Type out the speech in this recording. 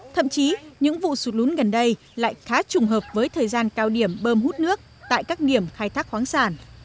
thậm chí những vụ sụt lún gần đây lại khá trùng hợp với thời gian cao điểm bơm hút nước tại các điểm khai thác khoáng sản